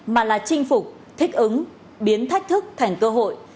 mà là chinh phục thích ứng biến thách thức thành cơ hội